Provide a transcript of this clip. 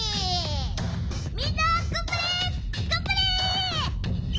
みんながんばれがんばれ！